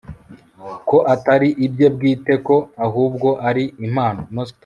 ko atari ibye bwite ko ahubwo ari impano